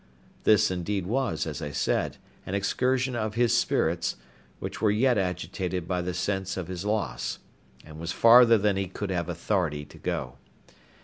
This indeed was, as I said, an excursion of his spirits, which were yet agitated by the sense of his loss, and was farther than he could have authority to go.